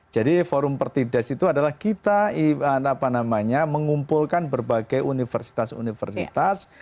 forum pertides itu adalah kita mengumpulkan berbagai universitas universitas